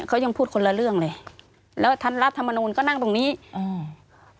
เขายังพูดคนละเรื่องเลยแล้วท่านรัฐมนูลก็นั่งตรงนี้อืม